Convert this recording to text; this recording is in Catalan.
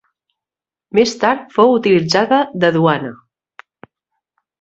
Més tard fou utilitzada de duana.